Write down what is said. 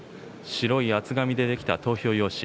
白い厚紙で出来た投票用紙。